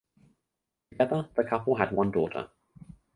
Together the couple had one daughter.